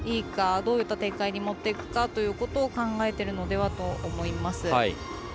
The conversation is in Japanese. どういった展開に持っていくかということを考えてるのではと思います。